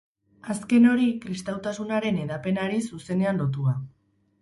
Azken hori, kristautasunaren hedapenari zuzenean lotua.